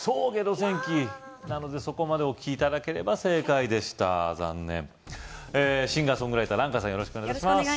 戦記なのでそこまでお聴き頂ければ正解でした残念シンガーソングライター蘭華さんよろしくお願いします